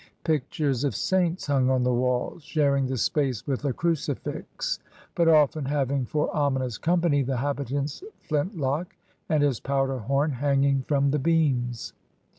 Pictures of saints himg on the walls, sharing the space with a crucifix, but often having for ominous company the habitant's flint lock and his powder horn hanging from the beams.